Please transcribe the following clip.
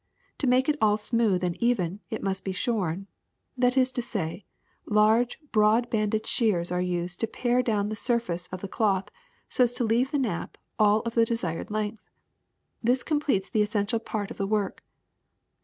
To make it all smooth and even, it must be shorn; that is to say, large broad bladed shears are used to pare down the surface of the cloth so as to leave the nap all of the desired length. This completes the essential part of the work.